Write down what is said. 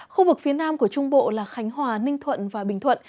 khu vực phía nam của trung bộ là khánh hòa ninh thuận và bình thuận